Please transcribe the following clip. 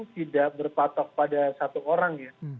tidak berpatok pada satu orang ya